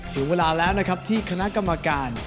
ถึงเวลาแล้วนะครับที่คณะกรรมการ